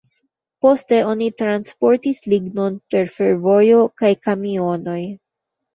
Poste oni transportis lignon per fervojo kaj kamionoj.